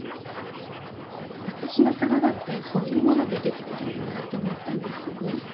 私の体ってそういうものでできてるんだなって思ったんですよね。